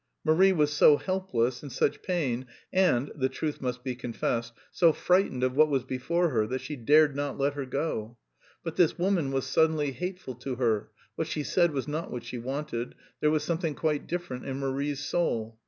Marie was so helpless, in such pain, and the truth must be confessed so frightened of what was before her that she dared not let her go. But this woman was suddenly hateful to her, what she said was not what she wanted, there was something quite different in Marie's soul.